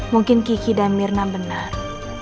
mungkin kiki dan mirna benar